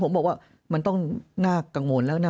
เพราะอาชญากรเขาต้องปล่อยเงิน